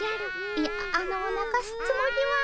いやあのなかすつもりは。